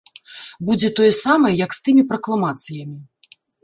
Будзе тое самае, як з тымі пракламацыямі.